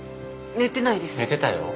寝てたよ。